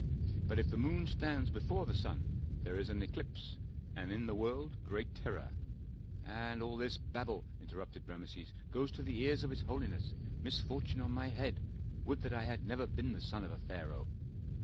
But if the moon stands before the sun there is an eclipse, and in the world great terror '" "And all this babble," interrupted Rameses, "goes to the ears of his holiness. Misfortune on my head! Would that I had never been the son of a pharaoh!"